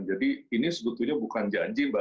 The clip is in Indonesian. jadi ini sebetulnya bukan janji